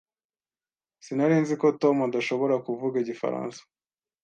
Sinari nzi ko Tom adashobora kuvuga igifaransa.